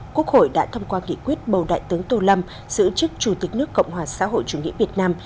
quốc hội đã thông qua nghị quyết bầu đại tướng tô lâm giữ chức chủ tịch nước cộng hòa xã hội chủ nghĩa việt nam